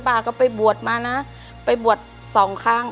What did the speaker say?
ป้าก็ไปบวชมานะไปบวชสองครั้ง